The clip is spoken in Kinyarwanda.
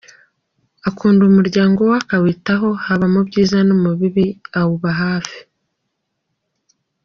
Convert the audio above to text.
Akunda umuryango we, akawitaho haba mu byiza no mu bibi, awuba ahafi.